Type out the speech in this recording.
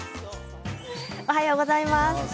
おはようございます。